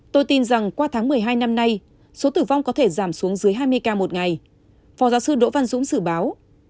tôi tin rằng qua tháng một mươi hai năm nay số tử vong có thể giảm xuống dưới hai mươi ca một ngày phó giáo sư đỗ văn dũng dự báo